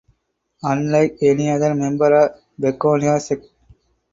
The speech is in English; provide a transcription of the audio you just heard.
Unlike any other member of Begonia sect.